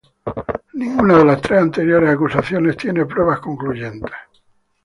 Ninguna de las tres anteriores acusaciones tiene pruebas concluyentes.